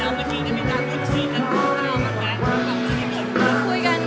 ยังไม่ได้ถามค่ะ